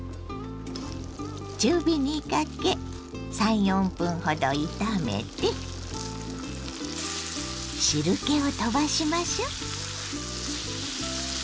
中火にかけ３４分ほど炒めて汁けを飛ばしましょう。